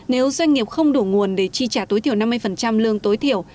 nếu doanh nghiệp không đủ nguồn để chi trả tối thiểu năm mươi lương tối thiểu